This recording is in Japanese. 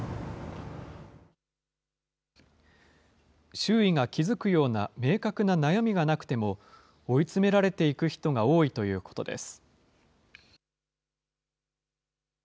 周囲が気付くような明確な悩みがなくても、追い詰められていく人が多いということです。